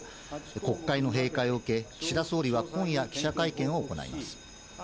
国会の閉会を受け、岸田総理は今夜、記者会見を行います。